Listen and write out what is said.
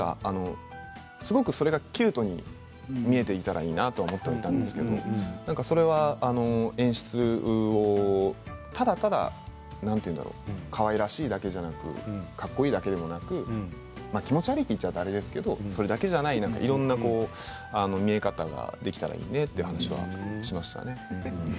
すごくそれがキュートに見えていたらいいなと思っていたんですけれどそれは演出の、ただただかわいらしいだけではなくてかっこいいだけでもなく気持ち悪いと言ってしまうとあれですけれどそれだけではなくていろんな見え方ができたらいいねという話をしていました。